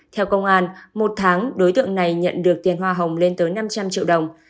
theo công an một tháng đối tượng này nhận được tiền hoa hồng lên tới năm trăm linh triệu đồng